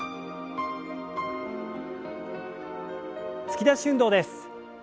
突き出し運動です。